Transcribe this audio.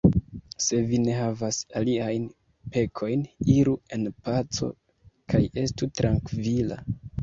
Se vi ne havas aliajn pekojn, iru en paco kaj estu trankvila!